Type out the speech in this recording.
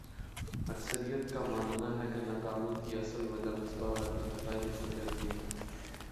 اکثریت کا ماننا ہے کہ ناکامی کی اصل وجہ مصباح الحق کی دفاعی حکمت عملی ہے